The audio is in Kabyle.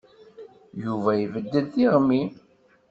Yuba ibeddel tiɣmi.